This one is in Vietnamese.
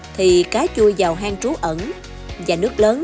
thì cá chui vào hang trú ẩn và nước lớn